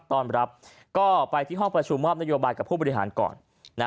ต้อนรับก็ไปที่ห้องประชุมมอบนโยบายกับผู้บริหารก่อน